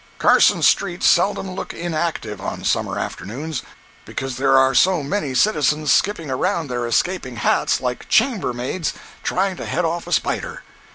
Carson streets seldom look inactive on Summer afternoons, because there are so many citizens skipping around their escaping hats, like chambermaids trying to head off a spider.